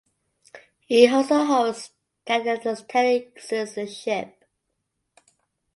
He also holds Tajikistani citizenship.